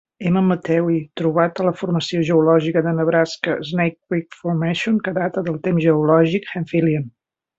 "M. matthewi" - trobat a la formació geològica de Nebraska Snake Creek Formation, que data del temps geològic "Hemphillian".